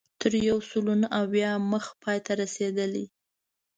تر یو سلو نهه اویا مخ پای ته رسېدلې.